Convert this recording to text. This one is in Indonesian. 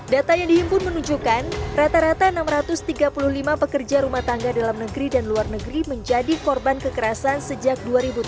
data yang dihimpun menunjukkan rata rata enam ratus tiga puluh lima pekerja rumah tangga dalam negeri dan luar negeri menjadi korban kekerasan sejak dua ribu tujuh belas